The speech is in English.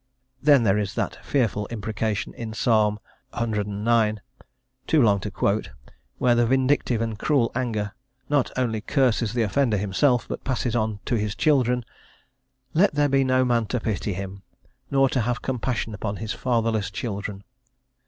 Then there is that fearful imprecation in Psalm cix., too long to quote, where the vindictive and cruel anger not only curses the offender himself, but passes on to his children: "Let there be no man to pity him, nor to have compassion upon his fatherless children."